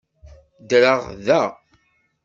Ddreɣ da.